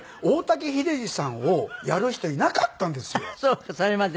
大滝秀治さんをやる人いなかったんですよ。